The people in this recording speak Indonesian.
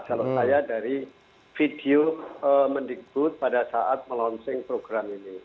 kalau saya dari video mendikbud pada saat melonsing program ini